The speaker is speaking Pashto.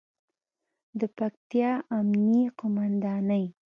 د پکتیا امنیې قوماندانۍ